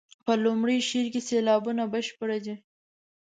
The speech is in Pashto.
په لومړي شعر کې سېلابونه بشپړ دي.